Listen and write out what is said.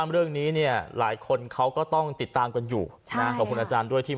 รอให้ฟังกันต่อ